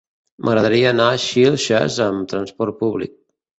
M'agradaria anar a Xilxes amb transport públic.